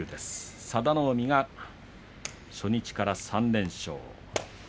佐田の海、初日から３連勝。